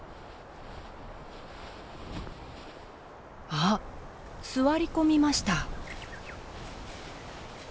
あっ座り込みました。